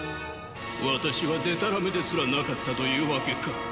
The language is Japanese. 私はでたらめですらなかったというわけか。